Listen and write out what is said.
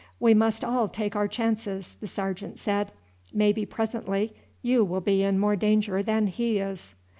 "We must all take our chances," the sergeant said. "Maybe presently you will be in more danger than he is."